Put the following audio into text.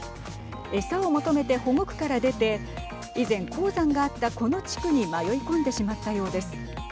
餌を求めて保護区から出て以前、鉱山があったこの地区に迷い込んでしまったようです。